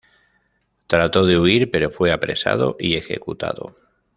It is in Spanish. Trató de huir, pero fue apresado y ejecutado.